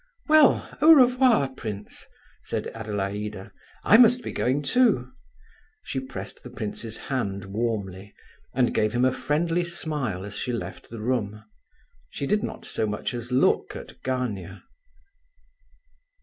"Well, au revoir, prince," said Adelaida, "I must be going too." She pressed the prince's hand warmly, and gave him a friendly smile as she left the room. She did not so much as look at Gania.